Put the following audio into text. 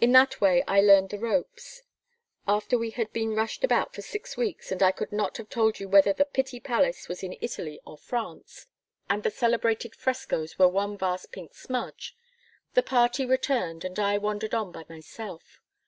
In that way I learned the ropes. After we had been rushed about for six weeks and I could not have told you whether the Pitti Palace was in Italy or France, and the celebrated frescos were one vast pink smudge, the party returned and I wandered on by myself.